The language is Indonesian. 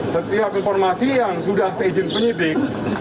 setiap informasi yang sudah saya izin penyidik